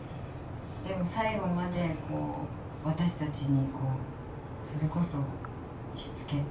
でも最期まで私たちにそれこそしつけっていうんですかね。